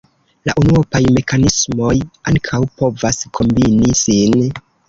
La unuopaj mekanismoj ankaŭ povas kombini sin.